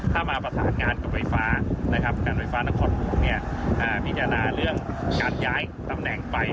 ถ้ามาประสานงานกับไฟฟ้านะครับการไฟฟ้านครหลวงพิจารณาเรื่องการย้ายตำแหน่งไป